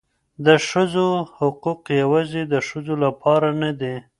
د ښځو حقوق یوازې د ښځو لپاره نه دي.